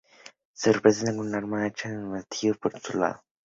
Se presenta con arma de hacha o de martillo en su lado opuesto.